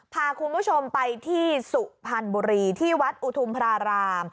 พาคุณผู้ชมไปที่สุพรรณบุรีที่วัดอุทุมพราราม